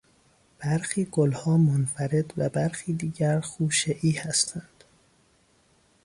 برخی گلها منفرد و برخی دیگر خوشهای هستند.